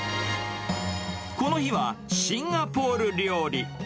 この日は、シンガポール料理。